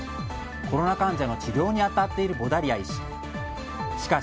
コロナ患者の治療に当たっているボダリア医師。